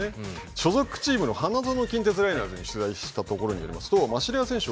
所属チームの花園近鉄ライナーズに取材したところによりますとマシレワ選手